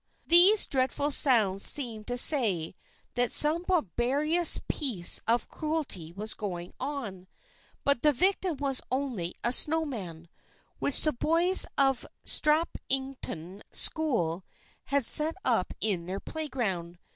These dreadful sounds seemed to say that some barbarous piece of cruelty was going on; but the victim was only a snow man, which the boys of Strappington School had set up in their playground.